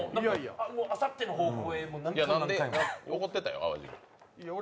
あさっての方向に、何回も。